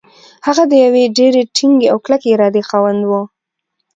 هغه د يوې ډېرې ټينګې او کلکې ارادې خاوند و.